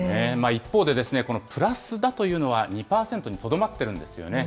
一方で、このプラスだというのは、２％にとどまっているんですよね。